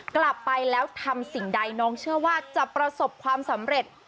กลับไปแล้วทำสิ่งใดน้องเชื่อว่าจะประสบความสำเร็จ